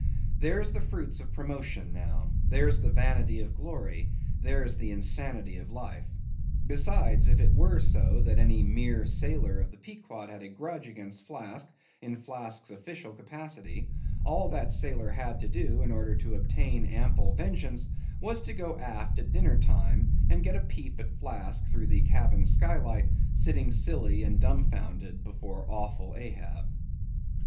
There's the fruits of promotion now; there's the vanity of glory: there's the insanity of life! Besides, if it were so that any mere sailor of the Pequod had a grudge against Flask in Flask's official capacity, all that sailor had to do, in order to obtain ample vengeance, was to go aft at dinner time, and get a peep at Flask through the cabin sky light, sitting silly and dumfoundered before awful Ahab.